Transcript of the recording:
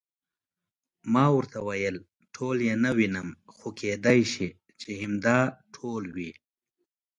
ما ورته وویل: ټول یې نه وینم، خو کېدای شي چې همدا ټول وي.